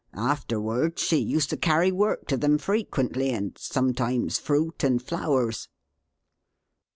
Afterward she used to carry work to them frequently, and sometimes fruit and flowers."